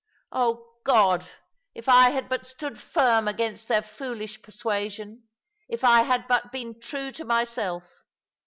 Oh, God, if I had but stood firm against their foolish persuasion, if I had but been true to myself!